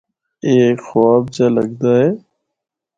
اے ہک خواب جا لگدا اے۔